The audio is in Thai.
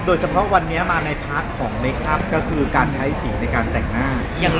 โดยเฉพาะวันนี้มาในพาร์ทของเมคอัพก็คือการใช้สีในการแต่งหน้า